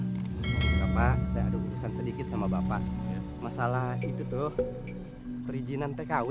gak apa apa saya ada urusan sedikit sama bapak masalah itu tuh perizinan tkw